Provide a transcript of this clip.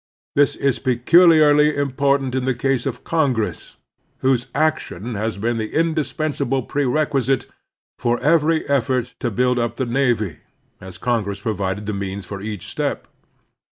This is peculiarly impor tant in the case of Congress, whose action has been the indispensable prerequisite for every effort to build up the navy, as Congress provided the means for each step.